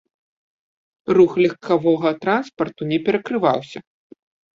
Рух легкавога транспарту не перакрываўся.